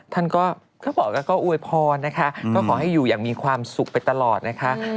ท่านก็บอกว่าก็อวยพรนะคะก็ขอให้อยู่อย่างมีความสุขไปตลอดนะคะ